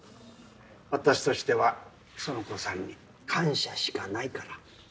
私としては苑子さんに感謝しかないから。